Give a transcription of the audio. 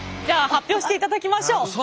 じゃあ発表していただきましょう。